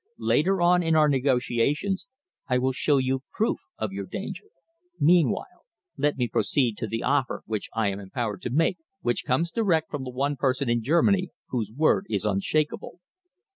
Later on in our negotiations, I will show you proof of your danger. Meanwhile, let me proceed to the offer which I am empowered to make, which comes direct from the one person in Germany whose word is unshakable."